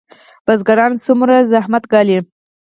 بزګران څومره زحمت ګالي؟